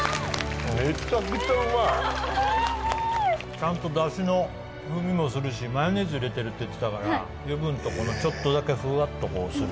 ちゃんとだしの風味もするしマヨネーズ入れてるって言ってたから油分とちょっとだけふわっとする。